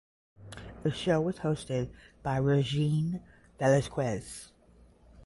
The show was hosted by Regine Velasquez.